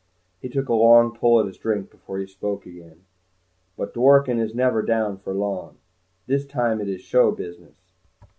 He took a long pull at his drink before he spoke again. "But Dworken is never down for long. Dis time it is show business.